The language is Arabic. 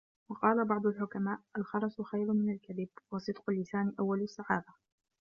وَقَالَ بَعْضُ الْحُكَمَاءِ الْخَرَسُ خَيْرٌ مِنْ الْكَذِبِ وَصِدْقُ اللِّسَانِ أَوَّلُ السَّعَادَةِ